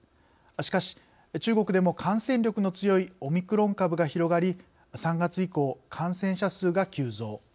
しかし、中国でも感染力の強いオミクロン株が広がり３月以降、感染者数が急増。